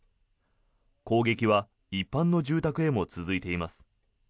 攻撃は一般の住宅へも続いています。